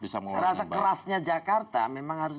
serasa kerasnya jakarta memang harus